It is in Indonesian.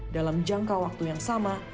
dalam jangka waktu yang sama